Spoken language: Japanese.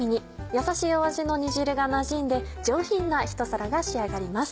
やさしい味の煮汁がなじんで上品な一皿が仕上がります。